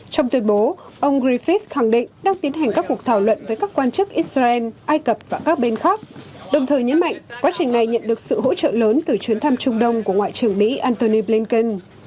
trong tuyên bố ông griffith khẳng định đang tiến hành các cuộc thảo luận với các quan chức israel ai cập và các bên khác đồng thời nhấn mạnh quá trình này nhận được sự hỗ trợ lớn từ chuyến thăm trung đông của ngoại trưởng mỹ antony blinken